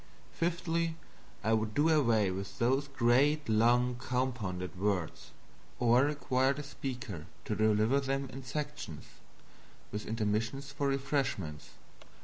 Fifthly, I would do away with those great long compounded words; or require the speaker to deliver them in sections, with intermissions for refreshments.